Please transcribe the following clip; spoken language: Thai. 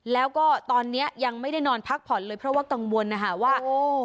แล้วก็ตอนนี้ยังไม่ได้นอนพักผ่อนเลยเพราะว่ากังวลนะคะว่าโอ้